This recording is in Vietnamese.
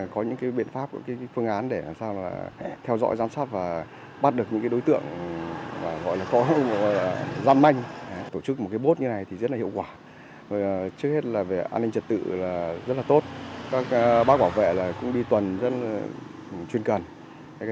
có những biện pháp phương án để theo dõi giám sát và bắt được những đối tượng